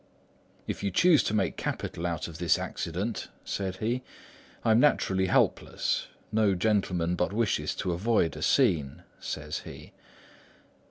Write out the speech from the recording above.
'If you choose to make capital out of this accident,' said he, 'I am naturally helpless. No gentleman but wishes to avoid a scene,' says he.